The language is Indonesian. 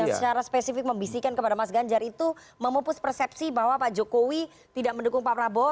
secara spesifik membisikkan kepada mas ganjar itu memupus persepsi bahwa pak jokowi tidak mendukung pak prabowo